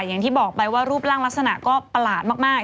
อย่างที่บอกไปว่ารูปร่างลักษณะก็ประหลาดมาก